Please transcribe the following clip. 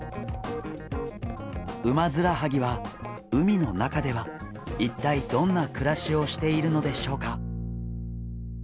ウマヅラハギは海の中では一体どんな暮らしをしているのでしょうか？